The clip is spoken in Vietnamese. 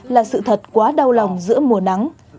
là sự thật quá đau lòng giữa mùa nắng